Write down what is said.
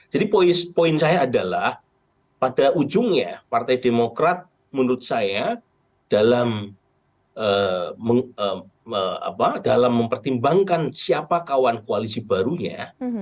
jadi poin saya adalah pada ujungnya partai demokrat menurut saya dalam mempertimbangkan siapa kawan koalisi barunya